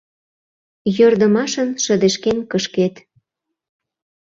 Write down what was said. Йӧрдымашын шыдешкен кышкет!..